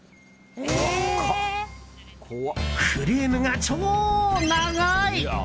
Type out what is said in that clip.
フレームが超長い！